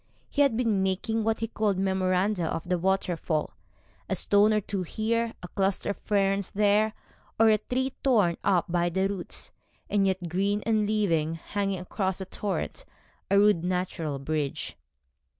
He had been making what he called memoranda of the waterfall, a stone or two here, a cluster of ferns there, or a tree torn up by the roots, and yet green and living, hanging across the torrent, a rude natural bridge.